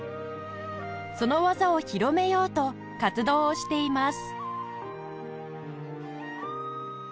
その技を広めようと活動をしています